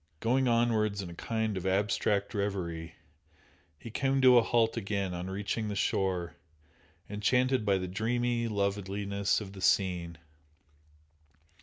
Going onwards in a kind of abstract reverie, he came to a halt again on reaching the shore, enchanted by the dreamy loveliness of the scene.